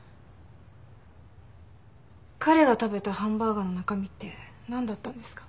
彼が食べたハンバーガーの中身ってなんだったんですか？